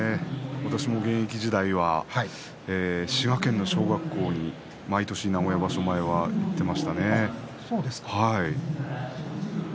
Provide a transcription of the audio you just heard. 私も現役時代は滋賀県の小学校に毎年名古屋場所前は行っていましたね。